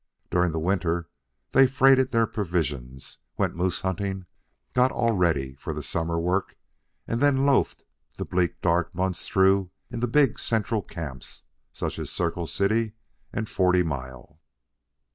During the winter they freighted their provisions, went moose hunting, got all ready for the summer's work, and then loafed the bleak, dark months through in the big central camps such as Circle City and Forty Mile.